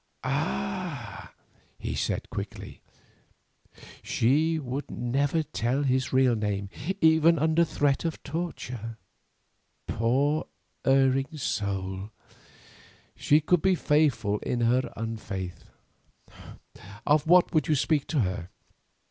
"Ah!" he said quickly, "she would never tell his real name, even under threat of torture. Poor erring soul, she could be faithful in her unfaith. Of what would you speak to her?"